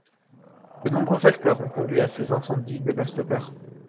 De nombreux facteurs ont conduit à ces incendies dévastateurs.